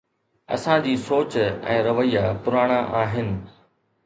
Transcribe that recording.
اسان جي سوچ ۽ رويا پراڻا آهن.